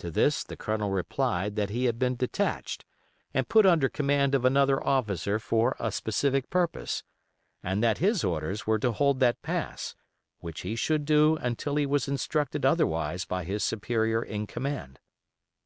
To this the Colonel replied that he had been detached and put under command of another officer for a specific purpose, and that his orders were to hold that pass, which he should do until he was instructed otherwise by his superior in command.